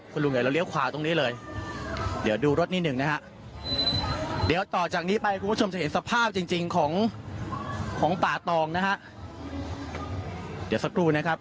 คุณลุงใหญ่เราเลี้ยขวาตรงนี้เลยเดี๋ยวดูรถนิดหนึ่งนะฮะเดี๋ยวต่อจากนี้ไปคุณผู้ชมจะเห็นสภาพจริงจริงของของป่าตองนะฮะเดี๋ยวสักครู่นะครับ